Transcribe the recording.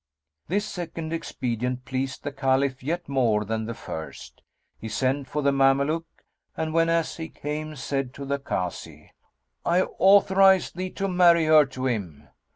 This second expedient pleased the Caliph yet more than the first; he sent for the Mameluke and, whenas he came, said to the Kazi "I authorise thee to marry her to him."